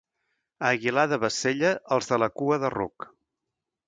A Aguilar de Bassella, els de la cua de ruc.